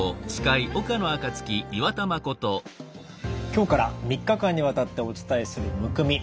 今日から３日間にわたってお伝えするむくみ。